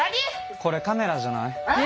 これカメラじゃない？えっ！？